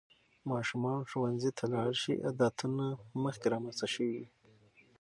ماشومان ښوونځي ته لاړ شي، عادتونه مخکې رامنځته شوي وي.